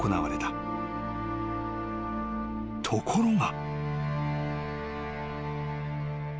［ところが］